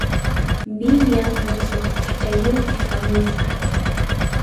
Vivian musuq p'achayuqmi hamusqa.